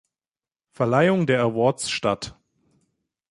Verleihung der Awards statt.